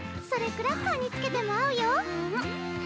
クラッカーにつけても合うよ。はむっ。